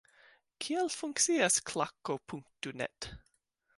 Kiel funkcias Klaku.net?